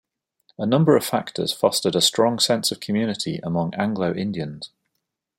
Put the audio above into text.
A number of factors fostered a strong sense of community among Anglo-Indians.